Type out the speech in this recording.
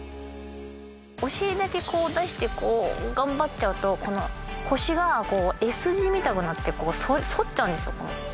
お尻だけこう出してこう頑張っちゃうとこの腰がＳ字みたくなってこう反っちゃうんですよ。